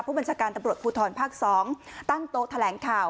บัญชาการตำรวจภูทรภาค๒ตั้งโต๊ะแถลงข่าว